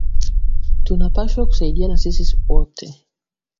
Tuna pashwa ku saidiana sisi wote